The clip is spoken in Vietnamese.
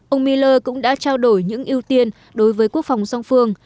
ông mueller cũng đã trao đổi những ưu tiên đối với quốc phòng song phương